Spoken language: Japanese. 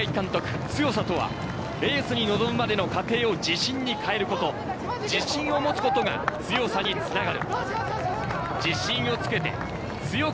大八木監督、強さとはレースに臨むまでの過程を自信に変える事、自信を持つことが強さに繋がる。